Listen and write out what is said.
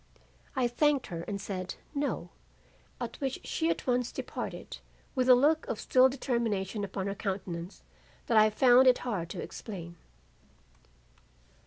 "I thanked her and said 'no,' at which she at once departed with a look of still determination upon her countenance that I found it hard to explain.